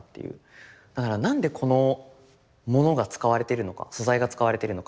だから何でこのものが使われてるのか素材が使われてるのか。